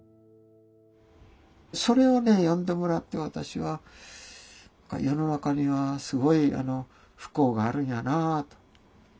それをね読んでもらって私は世の中にはすごい不幸があるんやなあと。